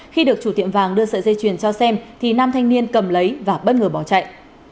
khi được chủ tiệm vàng đưa sợi dây chuyền cho xem thì nam thanh niên cầm lấy và bất ngờ bỏ chạy